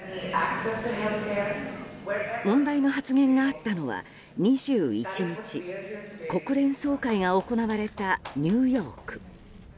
問題の発言があったのは２１日国連総会が行われたニューヨーク。